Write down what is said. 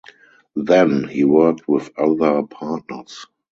Then, he worked with other partners.